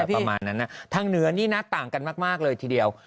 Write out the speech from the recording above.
ประมาณนั้นทางเหนือนี่นะต่างกันมากเลยทีเดียว